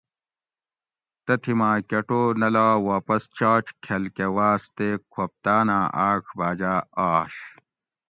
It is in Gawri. تتھی ماۤ کٹو نہ لا واپس چاچ کھل کۤہ واۤس تے کھوپتاۤناۤں آۤڄ باۤجاۤ آش